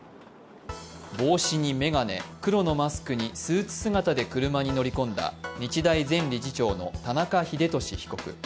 帽子にメガネ、黒のマスクにスーツ姿で車に乗り込んだ日大前理事長の田中英寿被告。